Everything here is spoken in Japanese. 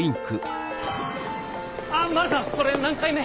あっマルさんそれ何回目？